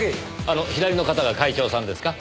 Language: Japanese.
あの左の方が会長さんですか？